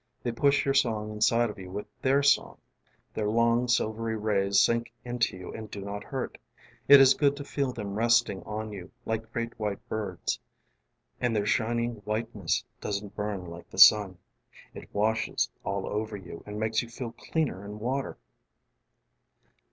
They push your song inside of you with their song. Their long silvery rays sink into you and do not hurt. It is good to feel them resting on you like great white birdsŌĆ" and their shining whiteness doesn't burn like the sunŌĆö it washes all over you and makes you feel cleaner'n water.